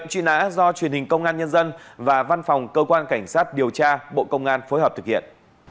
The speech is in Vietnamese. hình công an nhân dân và văn phòng cơ quan cảnh sát điều tra bộ công an phối hợp thực hiện